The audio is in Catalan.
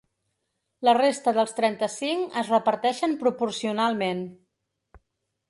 La resta dels trenta-cinc es reparteixen proporcionalment.